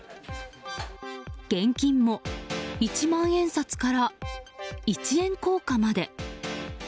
現金も一万円札から一円硬貨まで。